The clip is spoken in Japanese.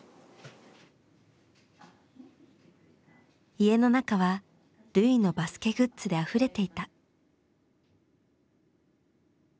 家の中は瑠唯のバスケグッズであふれていた。